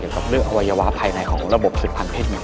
อย่างกับเรื่องอวัยวะภายในของระบบศึกภัณฑ์เพศไหม